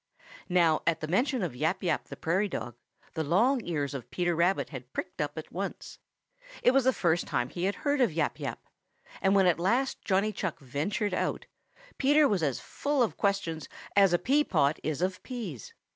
Now at the mention of Yap Yap the Prairie Dog, the long ears of Peter Rabbit had pricked up at once. It was the first time he had heard of Yap Yap, and when at last Johnny Chuck ventured out Peter was as full of questions as a pea pod is of peas.